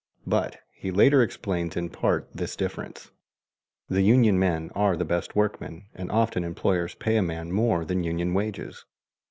But he later explains in part this difference: "The union men are the best workmen and often employers pay a man more than union wages.